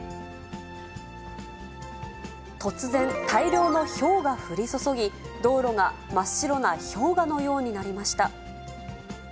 突然、大量のひょうが降り注ぎ、道路が真っ白な氷河のようになりました。